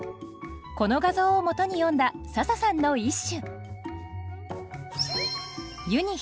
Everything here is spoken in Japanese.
この画像をもとに詠んだ笹さんの一首